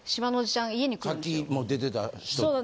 さっきも出てた人とか。